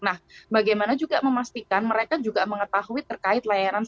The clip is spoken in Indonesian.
nah bagaimana juga memastikan mereka juga mengetahui terkait layanan seribu satu ratus dua puluh sembilan